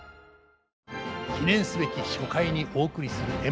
記念すべき初回にお送りする演目はこちら！